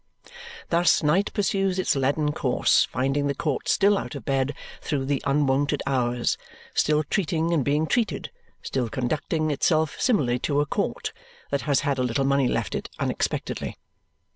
Thus night pursues its leaden course, finding the court still out of bed through the unwonted hours, still treating and being treated, still conducting itself similarly to a court that has had a little money left it unexpectedly.